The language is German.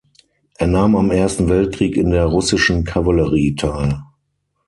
Er nahm am Ersten Weltkrieg in der russischen Kavallerie teil.